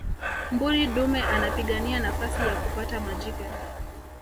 mbuni dume anapigania nafasi ya kupata majike